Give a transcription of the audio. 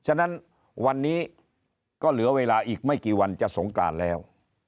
ฉะนั้นวันนี้ก็เหลือเวลาอีกไม่กี่วันจะสงกรานแล้ว